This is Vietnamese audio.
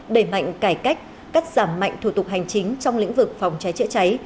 đẩy mạnh cải cách cắt giảm mạnh thủ tục hành chính trong lĩnh vực phòng cháy chữa cháy